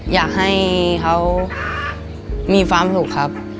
อยากให้เขามีความสุขครับ